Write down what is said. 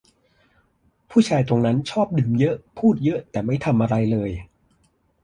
ผู้ชายตรงนั้นชอบดื่มเยอะ พูดเยอะ แต่ไม่ทำอะไรเลย